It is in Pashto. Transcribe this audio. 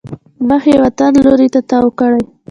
مخ یې وطن لوري ته تاو کړی.